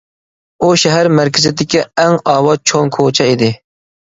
ئۇ شەھەر مەركىزىدىكى ئەڭ ئاۋات چوڭ كوچا ئىدى.